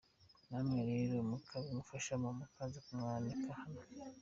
Namwe rero mukabimufashamo mukaza kumwanika hano.